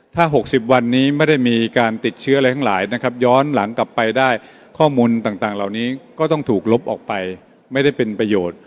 ถ้า๖๐วันนี้ไม่ได้มีการติดเชื้ออะไรทั้งหลายนะครับย้อนหลังกลับไปได้ข้อมูลต่างเหล่านี้ก็ต้องถูกลบออกไปไม่ได้เป็นประโยชน์